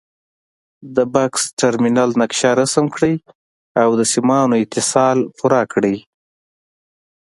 د بکس ټرمینل نقشه رسم کړئ او د سیمانو اتصال پوره کړئ.